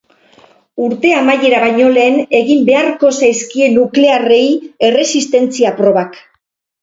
Urte amaiera baino lehen egin beharko zaizkie nuklearrei erresistentzia probak.